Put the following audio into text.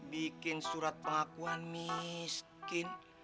bikin surat pengakuan miskin